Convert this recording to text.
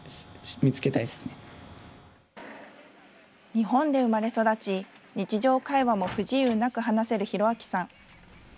日本で生まれ育ち、日常会話も不自由なく話せる洋明さん。